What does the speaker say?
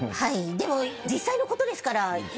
でも実際のことですから。